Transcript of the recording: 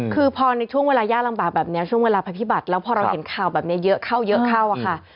คือพอในช่วงเวลายากลำบากแบบนี้ช่วงเวลาภัยพิบัติแล้วพอเราเห็นข่าวแบบนี้เยอะเข้าเยอะเข้าอะค่ะ